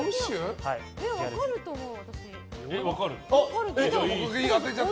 え、私、分かると思う。